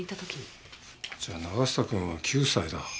じゃあ永久くんは９歳だ。